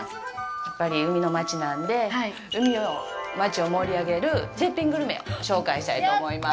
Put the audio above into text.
やっぱり海の町なんで、海の町を盛り上げる絶品グルメを紹介したいと思います。